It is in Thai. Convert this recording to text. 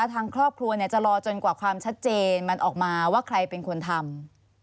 ทางครอบครัวจะรอจนกว่าความชัดเจนมันออกมาว่าใครเป็นคนทำ